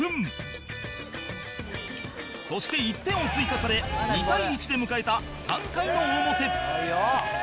そして１点を追加され２対１で迎えた３回の表